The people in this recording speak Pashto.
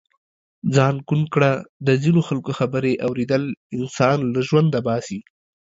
ځان ڪوڼ ڪړه د ځينو خلڪو خبرې اوریدل انسان له ژونده باسي.